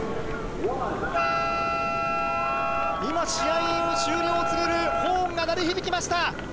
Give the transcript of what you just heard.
試合終了を告げるホーンが鳴り響きました。